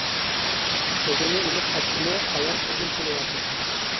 كۆزىنى ئېلىپ قاچسىمۇ ئايال ئۇدۇل كېلىۋەردى.